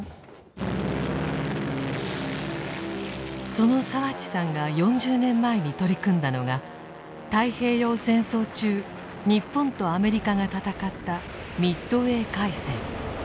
その澤地さんが４０年前に取り組んだのが太平洋戦争中日本とアメリカが戦ったミッドウェー海戦。